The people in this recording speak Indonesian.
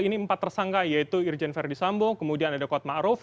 ini empat tersangka yaitu irjen verdi sambo kemudian ada kotma aruf